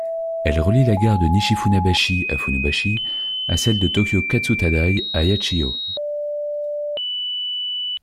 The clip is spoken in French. Elle relie la gare de Nishi-Funabashi à Funabashi à celle de Tōyō-Katsutadai à Yachiyo.